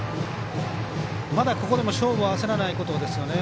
まだ、ここでも勝負を焦らないことですよね